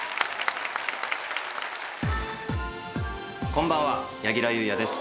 こんばんは柳楽優弥です。